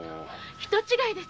人違いです。